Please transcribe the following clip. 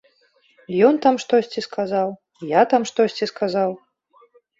Ён там штосьці сказаў, я там штосьці сказаў.